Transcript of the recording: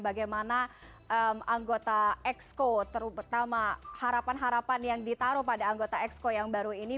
bagaimana anggota exco terutama harapan harapan yang ditaruh pada anggota exco yang baru ini